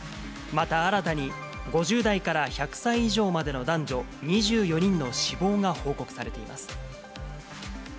また新たに、５０代から１００歳以上までの男女２４人の死亡が報告されています。